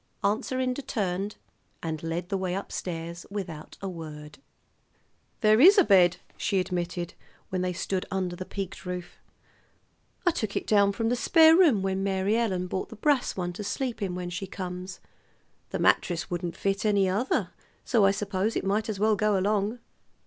Aunt Serinda turned, and led the way up stairs without a word. "There is a bed," she admitted when they stood under the peaked roof. "I took it down from the spare room when Mary Ellen bought the brass one to sleep in when she comes. The mattress wouldn't fit any other; so I suppose it might as well go along.